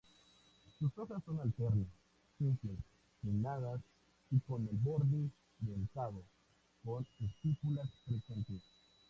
Sus hojas son alternas, simples, pinnadas y con el borde dentado, con estípulas presentes.